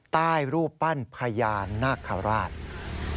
ใต้รูปปั้นพญานาคาราช